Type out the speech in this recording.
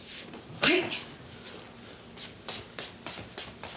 はい。